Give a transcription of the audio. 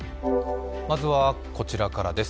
まずはこちらからです。